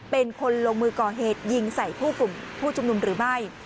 เป็นคนลงมือก่อเหตุยิงใส่ผู้กลุ่มผู้ชุมนุมหรือไม่